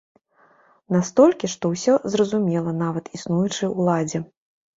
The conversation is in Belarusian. Настолькі, што ўсё зразумела нават існуючай уладзе.